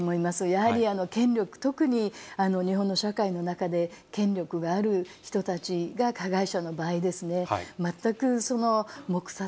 やはり権力、特に日本の社会の中で権力がある人たちが加害者の場合、全く黙殺